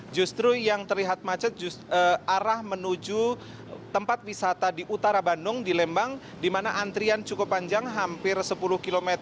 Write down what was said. justru yang terlihat macet arah menuju tempat wisata di utara bandung di lembang di mana antrian cukup panjang hampir sepuluh km